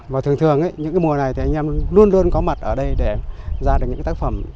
và thường thường những cái mùa này thì anh em luôn luôn có mặt ở đây để ra được những tác phẩm